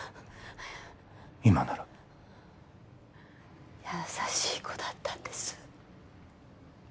今なら優しい子だったんです